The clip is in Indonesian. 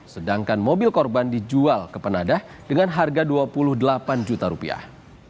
sedangkan mobil korban dijual ke penadah dengan harga dua puluh delapan juta rupiah